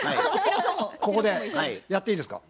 ここでやっていいですか？